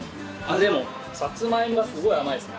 でもサツマイモがすごい甘いですね。